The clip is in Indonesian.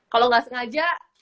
kalau gak sengaja